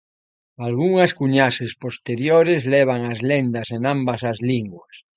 Algunhas cuñaxes posteriores levan as lendas en ambas as linguas.